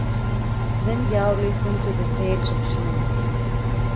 Then Yao listened to the tales of Shun.